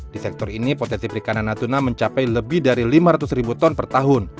di sektor ini potensi perikanan natuna mencapai lebih dari lima ratus ribu ton per tahun